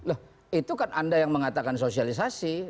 loh itu kan anda yang mengatakan sosialisasi